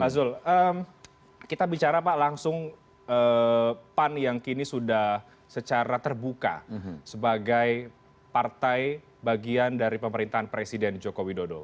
pak zul kita bicara pak langsung pan yang kini sudah secara terbuka sebagai partai bagian dari pemerintahan presiden joko widodo